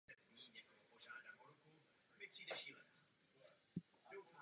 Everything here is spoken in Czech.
Někteří z nich se později přihlásili do československých legií ve Francii.